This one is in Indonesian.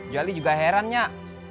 jali juga heran nyak